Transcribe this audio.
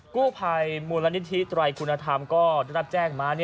กู้ไพรมูลนิทธิตรายคุณธรรมก็รับแจ้งมา